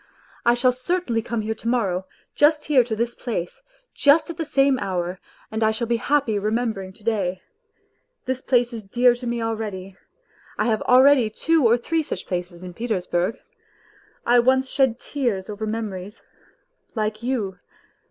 I shall cer tainly come here to morrow, just here to this place, just at the same hour, and I shall be happy remembering to day. This place is dear to me already. I h J a L e_aIiady two &r three such places in Petersburg. I once shed tears over memories ... like you.